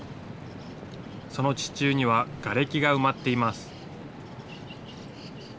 その地中にはがれきが埋まっています。